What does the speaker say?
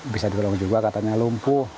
bisa ditolong juga katanya lumpuh